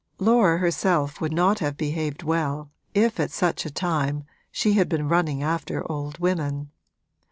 Laura herself would not have behaved well if at such a time she had been running after old women.